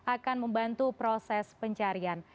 akan membantu proses pencarian